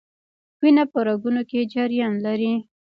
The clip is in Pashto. وینه په رګونو کې جریان لري